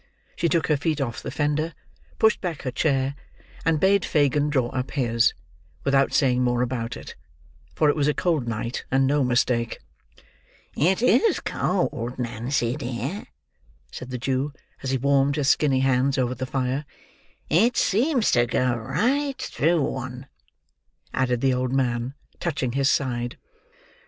She took her feet off the fender, pushed back her chair, and bade Fagin draw up his, without saying more about it: for it was a cold night, and no mistake. "It is cold, Nancy dear," said the Jew, as he warmed his skinny hands over the fire. "It seems to go right through one," added the old man, touching his side.